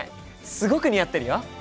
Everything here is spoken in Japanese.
すごく似合ってるよ！